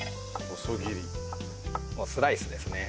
スライスですね。